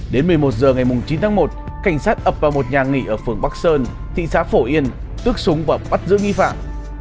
đến một mươi một h ngày chín tháng một cảnh sát ập vào một nhà nghỉ ở phường bắc sơn thị xã phổ yên tức súng và bắt giữ nghi phạm